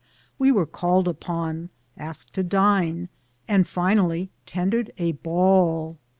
We were called upon, asked to dine, and finally tendered a ball.